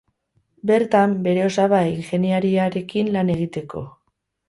Bertan, bere osaba ingeniariarekin lan egiteko.